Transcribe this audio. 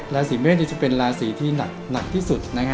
ราศีเมษจะเป็นราศีที่หนักที่สุด